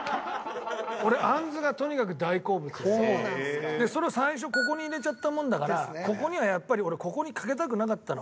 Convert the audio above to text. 俺あんずがとにかく大好物でそれを最初ここに入れちゃったもんだからここにはやっぱり俺ここにかけたくなかったの。